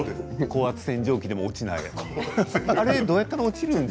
高圧洗浄機でも落ちない。